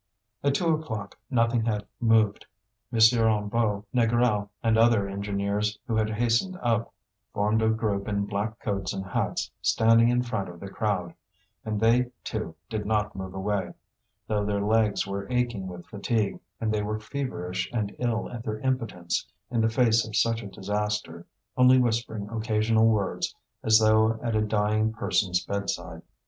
At two o'clock nothing had moved, M. Hennebeau, Négrel, and other engineers who had hastened up, formed a group in black coats and hats standing in front of the crowd; and they, too, did not move away, though their legs were aching with fatigue, and they were feverish and ill at their impotence in the face of such a disaster, only whispering occasional words as though at a dying person's bedside.